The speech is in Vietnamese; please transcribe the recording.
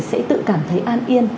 sẽ tự cảm thấy an yên